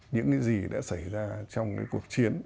những gì đã xảy ra trong cuộc chiến